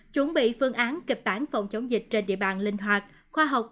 chuẩn bị phương án kịch bản phòng chống dịch trên địa bàn linh hoạt khoa học